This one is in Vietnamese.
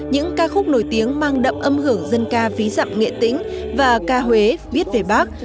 những ca khúc nổi tiếng mang đậm âm hưởng dân ca ví dặm nghệ tĩnh và ca huế viết về bác